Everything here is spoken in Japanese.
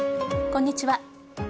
こんにちは。